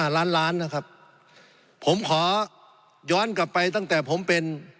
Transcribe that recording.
ล้านล้านนะครับผมขอย้อนกลับไปตั้งแต่ผมเป็น